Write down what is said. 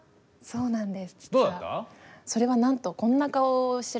そうなんです。